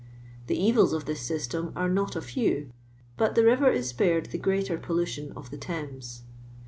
The evils of this t ystem are not a few; but the river is ^paIed the greater pollution of the Thann s.